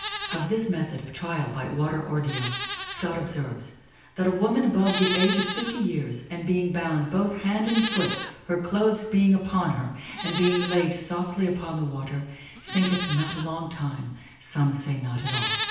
Of this method of trial by water ordeal, Scot observes: "that a woman above the age of fifty years, and being bound both hand and foot, her clothes being upon her, and being laid softly upon the water, sinketh not a long time, some say not at all."